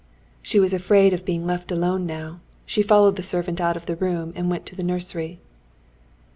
She was afraid of being left alone now; she followed the servant out of the room, and went to the nursery.